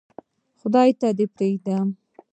خدای ته یې پرېږدم.